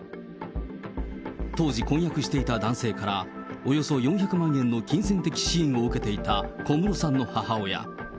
当時、婚約していた男性から、およそ４００万円の金銭的支援を受けていた小室さんの母親。